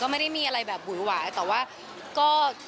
ไม่ได้มีอะไรแบบหวุ่นหวายแต่ว่าก็